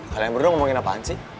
kalian berdua ngomongin apaan sih